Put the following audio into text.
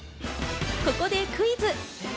ここでクイズ。